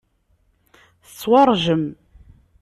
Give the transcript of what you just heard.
Tettwaṛjem.